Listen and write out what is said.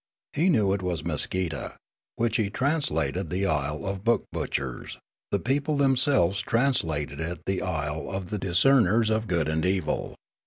He knew it was Meskeeta, which he translated the isle of Book butchers ; the people themselv^es translated it the isle of the Discerners of Good and Evil.